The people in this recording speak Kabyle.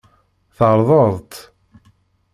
Tεerḍeḍ-t?